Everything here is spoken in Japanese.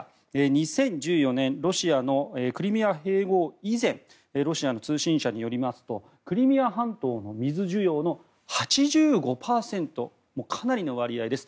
２０１４年ロシアのクリミア併合以前ロシアの通信社によりますとクリミア半島の水需要の８５％、かなりの割合です。